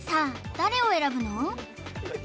誰を選ぶの？